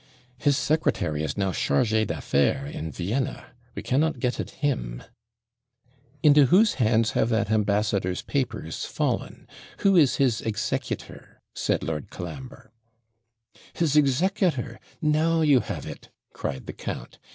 'His secretary is now CHARGE D'AFFAIRES in Vienna we cannot get at him.' 'Into whose hands have that ambassador's papers fallen who is his executor?' said Lord Colambre. 'His executor! now you have it,' cried the count.